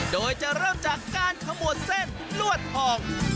โดยจะเริ่มจากการขมวดเส้นลวดทอง